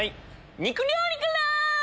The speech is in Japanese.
肉料理から！